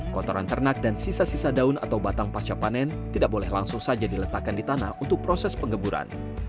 kotoran ternak dan sisa sisa daun atau batang pasca panen tidak boleh langsung saja diletakkan di tanah untuk proses pengemburan